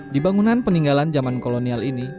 di bangunan peninggalan zaman kolonial ini